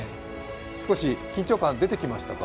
少し緊張感出てきましたか？